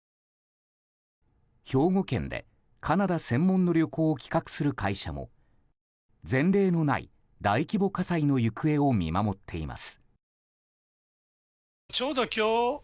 兵庫県でカナダ専門の旅行を企画する会社も前例のない大規模火災の行方を見守っています。